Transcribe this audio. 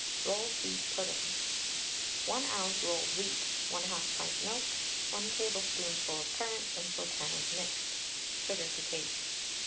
ROLLED WHEAT PUDDING. 1 oz. rolled wheat, 1/2 pint milk, 1 tablespoonful of currants and sultanas mixed, sugar to taste.